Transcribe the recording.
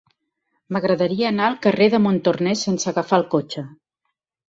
M'agradaria anar al carrer de Montornès sense agafar el cotxe.